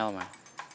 ya ampun mel